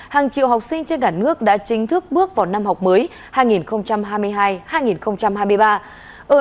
hàng triệu học sinh trên cả nước đã chính thức bước vào năm học mới